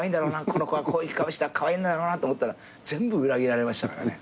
この子はこういう顔してカワイイんだろうなと思ったら全部裏切られましたからね。